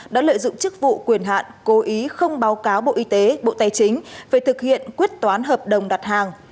đã lợi dụng chức vụ quyền hạn cố ý không báo cáo bộ y tế bộ tài chính về thực hiện quyết toán hợp đồng đặt hàng